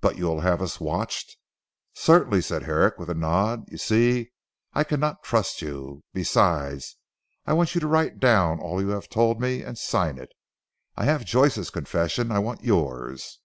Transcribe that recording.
"But you will have us watched?" "Certainly," said Herrick with a nod, "you see I cannot trust you. Besides I want you to write down all you have told me, and sign it. I have Joyce's confession. I want yours."